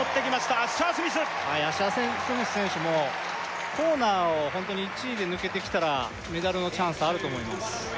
アッシャースミスアッシャースミス選手もコーナーをホントに１位で抜けてきたらメダルのチャンスあると思います